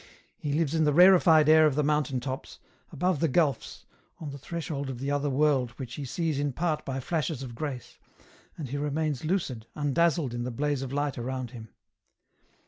He lives in the rarefied air of the mountain tops, above the gulfs, on the threshold of the other world which he sees in part by flashes of grace, and he remains lucid, undazzled in the blaze of light around him.